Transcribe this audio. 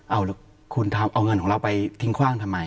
เอาเงินของเราไปทิ้งขว้างทำไม